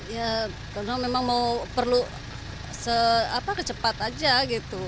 ya memang perlu sekecepat aja gitu